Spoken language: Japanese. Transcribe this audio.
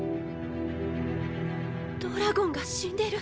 ドラゴンが死んでる。